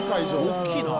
大きいな。